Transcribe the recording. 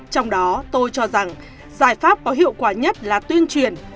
trong đó tôi cho rằng giải pháp có hiệu quả nhất là tuyên truyền